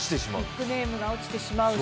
ビッグネームが落ちてしまう。